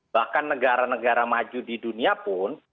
bahkan negara negara maju di dunia pun